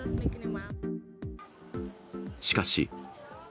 しかし。